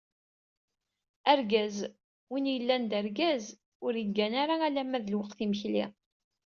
Argaz: “Win yellan d argaz ur iggan ara alamma d lweqt n yimekli."